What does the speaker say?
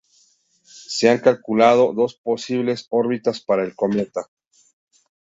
Se han calculado dos posibles órbitas para el cometa.